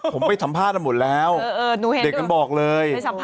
ผมไปสัมภาษณ์หมดแล้วเด็กมันบอกเลย